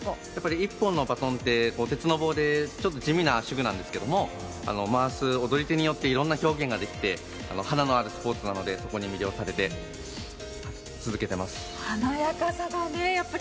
１本のバトンって鉄の棒で地味なんですけど回す踊り手によっていろんな表現ができて、華のあるスポーツなので、そこに魅了されて続けています。